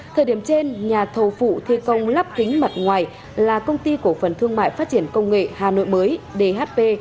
thời điểm trên nhà thầu phụ thi công lắp kính mặt ngoài là công ty cổ phần thương mại phát triển công nghệ hà nội mới dhp